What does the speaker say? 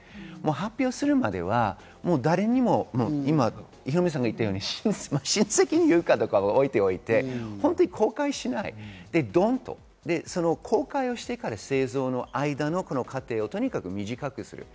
発表するまでは誰にもヒロミさんが言ったように親戚に言うかどうかは置いておいて、公開しない、公開してから製造の間の過程をとにかく短くする。